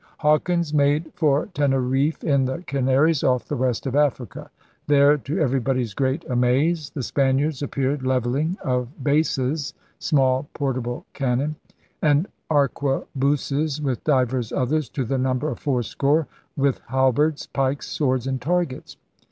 Hawkins made for Teneriffe in the Canaries, off the west of Africa. There, to everybody's great 'amaze,' the Spaniards 'appeared levelling of 78 ELIZABETHAN SEA DOGS bases [small portable cannon] and arquebuses, with divers others, to the number of fourscore, with halberds, pikes, swords, and targets.'